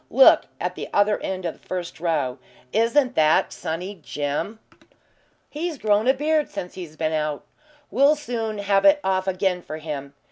Look at the other end of the first row. Isn't that 'Sunny Jim'? I hardly knew him. He's grown a beard since he's been out. We'll soon have it off again for him.